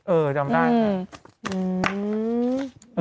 เออจำได้ค่ะ